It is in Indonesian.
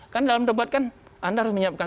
kan dalam debat kan anda harus menyiapkan